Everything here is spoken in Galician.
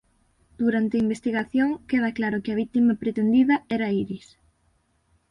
Durante a investigación queda claro que a vítima pretendida era Iris.